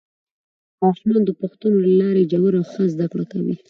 ماشومان د پوښتنو له لارې ژوره او ښه زده کړه کوي